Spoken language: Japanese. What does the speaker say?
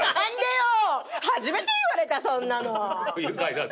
初めて言われたそんなの。え？